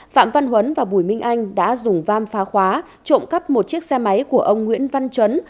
phạm văn huấn và bùi minh anh đã dùng vam phá khóa trộm cắp một chiếc xe máy của ông nguyễn văn chấn